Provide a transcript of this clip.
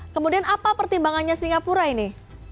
kemudian apa pertimbangannya singapura ini